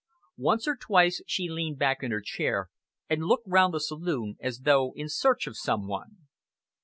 Once or twice she leaned back in her chair, and looked round the saloon as though in search of some one.